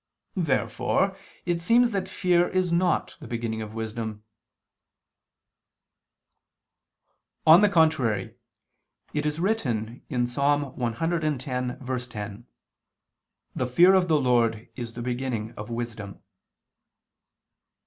Therefore it seems that fear is not the beginning of wisdom. On the contrary, It is written in the Ps. 110:10: "The fear of the Lord is the beginning of wisdom."